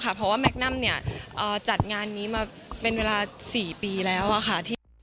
เพราะว่าแมคนัมจัดงานนี้มาเป็นเวลา๔ปีแล้วค่ะ